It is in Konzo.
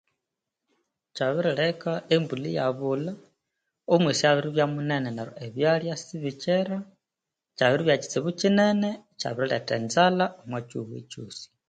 Kyabirileka embulha iyabulha omwisi abiribya munene neryo ebyalya sibikyera kyabiribya kitsibu kinene kyabiriletha enzalha omwakihugho kyosi